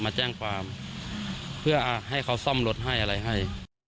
มาแจ้งความเพื่อให้เขาซ่อมรถให้อะไรให้